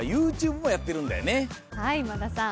はい今田さん。